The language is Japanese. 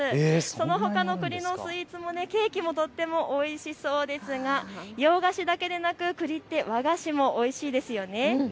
そのほかのくりのスイーツ、ケーキもとってもおいしそうですが、洋菓子だけでなくくりって和菓子もおいしいですよね。